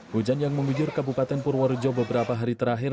hujan yang menggujur kabupaten purworejo beberapa hari terakhir